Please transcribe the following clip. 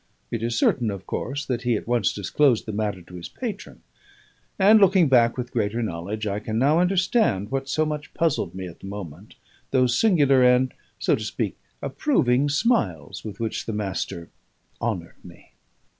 It is certain, of course, that he at once disclosed the matter to his patron; and looking back with greater knowledge, I can now understand what so much puzzled me at the moment, those singular and (so to speak) approving smiles with which the Master honoured me.